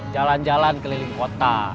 jalan jalan keliling kota